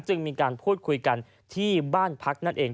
จึงมีการพูดคุยกันที่บ้านพักนั่นเอง